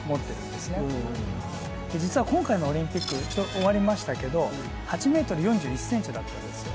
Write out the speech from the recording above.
実は今回のオリンピック終わりましたけど８ｍ４１ｃｍだったんですよ。